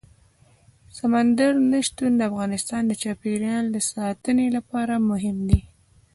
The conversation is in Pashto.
سمندر نه شتون د افغانستان د چاپیریال ساتنې لپاره مهم دي.